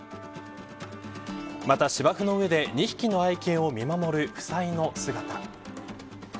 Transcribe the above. また、芝生の上で２匹の愛犬を見守る夫妻の姿。